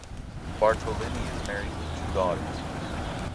Bartolomei is married with two daughters.